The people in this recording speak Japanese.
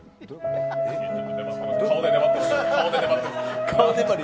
顔で粘ってる。